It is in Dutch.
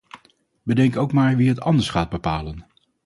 Bedenk ook maar wie het anders gaat bepalen.